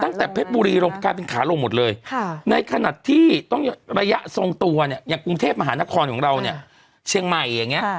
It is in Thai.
ตั้งแต่เพชรบุรีลงกลายเป็นขาลงหมดเลยในขณะที่ต้องระยะทรงตัวเนี่ยอย่างกรุงเทพมหานครของเราเนี่ยเชียงใหม่อย่างนี้